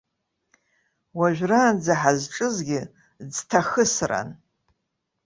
Уажәраанӡа ҳазҿызгьы ӡҭахысран.